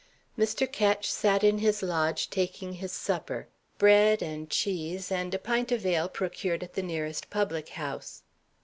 Mr. Ketch sat in his lodge, taking his supper: bread and cheese, and a pint of ale procured at the nearest public house.